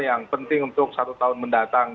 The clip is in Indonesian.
yang penting untuk satu tahun mendatang